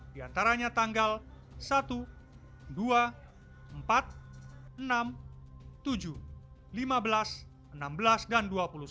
di antaranya tanggal satu dua empat enam tujuh lima belas enam belas dan dua puluh satu